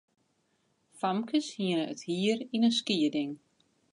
Famkes hiene it hier yn in skieding.